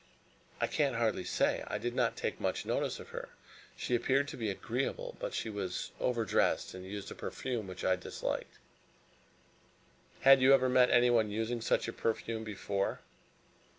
"I can hardly say. I did not take much notice of her. She appeared to be agreeable, but she was over dressed and used a perfume which I disliked." "Had you ever met anyone using such a perfume before?"